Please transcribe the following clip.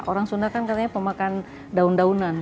orang sunda kan katanya pemakan daun daunan